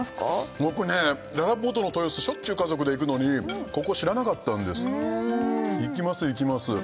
僕ねららぽーとの豊洲しょっちゅう家族で行くのにここ知らなかったんです行きます行きます